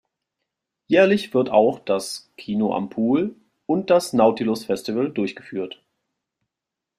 Jährlich wird auch das 'Kino am Pool' und das 'Nautilus Festival' durchgeführt.